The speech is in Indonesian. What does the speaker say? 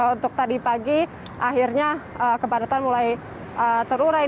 untuk tadi pagi akhirnya kepadatan mulai terurai